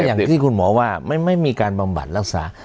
ก็อย่างที่คุณหมอว่าไม่มีการประบาดแลกศา